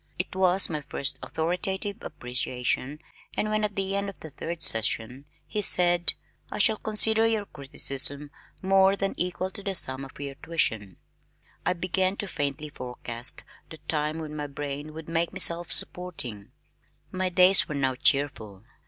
It was my first authoritative appreciation and when at the end of the third session he said, "I shall consider your criticism more than equal to the sum of your tuition," I began to faintly forecast the time when my brain would make me self supporting. My days were now cheerful.